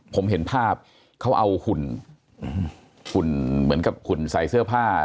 ผมเห็นภาพเขาเอาหุ่นหุ่นเหมือนกับหุ่นใส่เสื้อผ้า